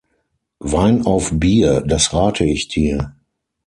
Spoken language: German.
Wein auf Bier, das rate ich dir.